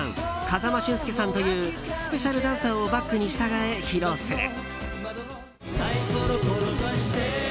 風間俊介さんというスペシャルダンサーをバックに従え、披露する。